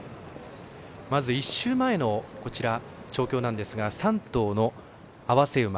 まず１週前の調教なんですが３頭の併せ馬。